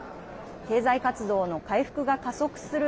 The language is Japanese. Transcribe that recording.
経済活動の回復が加速する